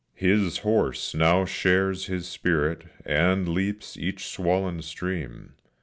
His horse now shares his spirit, and leaps each swollen stream.